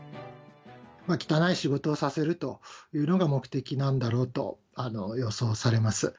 汚い仕事をさせるというのが目的なんだろうと予想されます。